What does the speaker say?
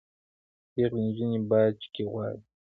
پیغلي نجوني باج کي غواړي